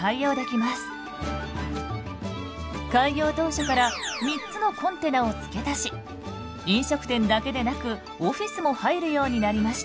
開業当初から３つのコンテナを付け足し飲食店だけでなくオフィスも入るようになりました。